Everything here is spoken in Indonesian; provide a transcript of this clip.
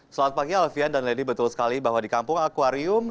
selamat pagi alfian dan lady betul sekali bahwa di kampung akwarium